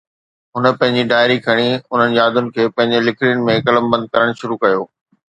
هن پنهنجي ڊائري کڻي انهن يادن کي پنهنجي لکڻين ۾ قلمبند ڪرڻ شروع ڪيو